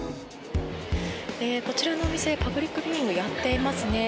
こちらのお店パブリックビューイングやっていますね。